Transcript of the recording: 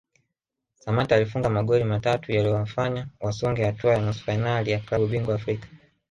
Samatta alifunga magoli matatu yaliyowafanya wasonge hatua ya nusu fainali ya klabu bingwa Afrika